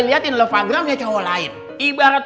liatin lepangnya cowok lain ibaratnya